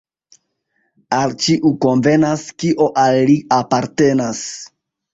Al ĉiu konvenas, kio al li apartenas.